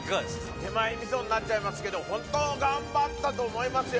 手前みそになっちゃいますけど本当頑張ったと思いますよ。